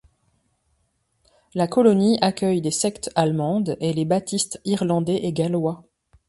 La colonie accueille des sectes allemandes et les baptistes irlandais et gallois.